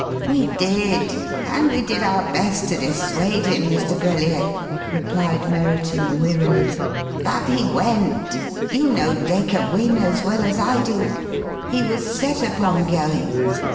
"We did. And we did our best to dissuade him, Mr. Brellier," replied Merriton wearily. "But he went. You know Dacre Wynne as well as I do. He was set upon going.